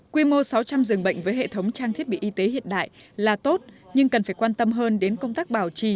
quy mô sáu trăm linh dường bệnh với hệ thống trang thiết bị y tế hiện đại là tốt nhưng cần phải quan tâm hơn đến công tác bảo trì